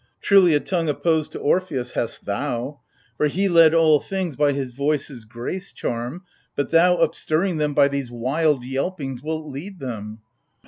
Truly a tongue opposed to Orpheus hast thou : For he led all things by his voice's grace charm, But thou, upstirring them by these wild yelpings, Wilt lead them